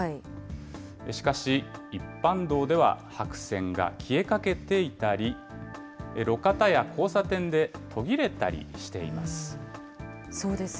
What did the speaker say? しかし、一般道では、白線が消えかけていたり、路肩や交差点で途切れたりしています。